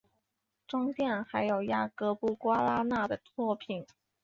中殿还有雅格布瓜拉纳的作品。